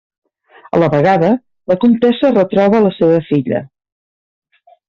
A la vegada, la comtessa retroba la seva filla.